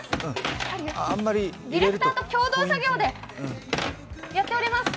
ディレクターと共同作業でやっております。